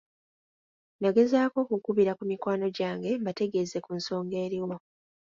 Nagezaako okukubira ku mikwano gyange mbategeeze ku nsonga eriwo.